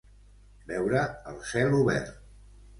Veure el cel obert.